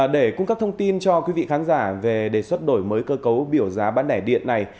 để cung cấp thông tin cho quý vị khán giả về đề xuất đổi mới cơ cấu biểu giá bán lẻ điện này